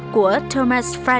của thomas freud